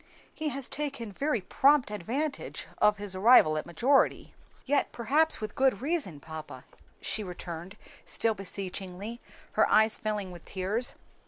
He has taken very prompt advantage of his arrival at his majority." "Yet perhaps with good reason, papa," she returned, still beseechingly, her eyes filling with tears.